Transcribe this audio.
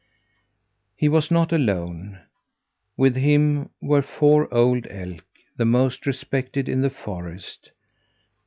He was not alone. With him were four old elk the most respected in the forest.